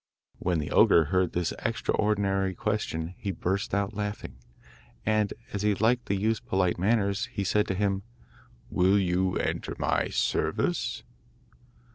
When the ogre heard this extraordinary question he burst out laughing, and as he liked the youth's polite manners he said to him: 'Will you enter my service?